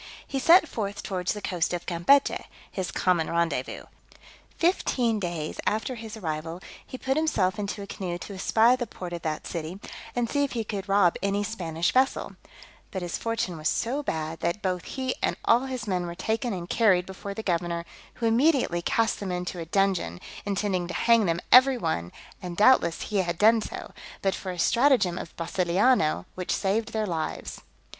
He set forth towards the coast of Campechy, his common rendezvous: fifteen days after his arrival, he put himself into a canoe to espy the port of that city, and see if he could rob any Spanish vessel; but his fortune was so bad, that both he and all his men were taken and carried before the governor, who immediately cast them into a dungeon, intending to hang them every one; and doubtless he had done so, but for a stratagem of Brasiliano, which saved their lives.